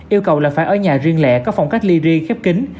yêu cầu là phải ở nhà riêng lẻ có phòng cách ly riêng khép kính